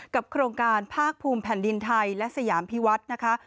โครงการภาคภูมิแผ่นดินไทยและสยามพิวัฒน์นะคะ